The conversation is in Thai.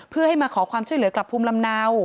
เพื่อให้มาขอความช่วยเหลือกลับภูมิลำเนา